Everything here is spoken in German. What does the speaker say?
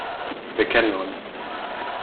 Wir kennen uns.